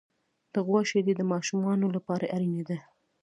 د غوا شیدې د ماشومانو لپاره اړینې دي.